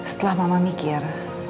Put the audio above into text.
setelah mama mikir